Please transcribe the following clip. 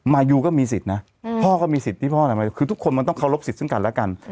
มายูก็มีสิทธิ์นะพ่อก็มีสิทธิ์ที่พ่อคือทุกคนมันต้องเคารพสิทธิ์ซึ่งกันแล้วกัน